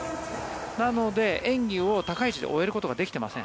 なので、演技を高い位置で終えることができていません。